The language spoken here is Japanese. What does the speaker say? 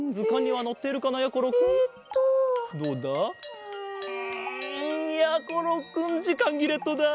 うんやころくんじかんぎれットだ。